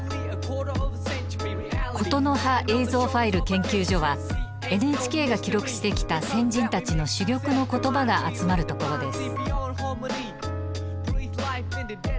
「言の葉映像ファイル研究所」はＮＨＫが記録してきた先人たちの珠玉の言葉が集まるところです。